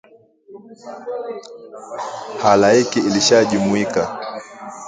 halaiki ilishajumuika